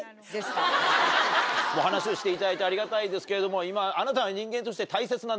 お話をしていただいてありがたいですけれども今あなたは。